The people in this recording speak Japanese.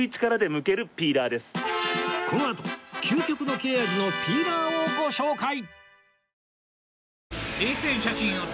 このあと究極の切れ味のピーラーをご紹介！